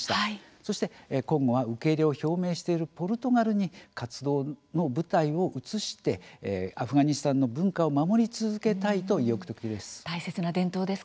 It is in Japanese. そして今後は受け入れを表明しているポルトガルに活動の舞台を移してアフガニスタンの文化を守り続けたいと意欲的です。